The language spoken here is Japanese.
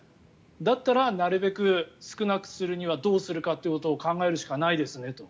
だったらなるべく少なくするにはどうするかということを考えるしかないですねと。